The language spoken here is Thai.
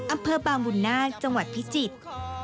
อำเภอบางบุญนาคจังหวัดพิจิตร